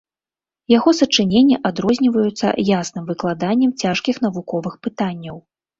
Яго сачыненні адрозніваюцца ясным выкладаннем цяжкіх навуковых пытанняў.